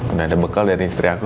ada bekal dari istri aku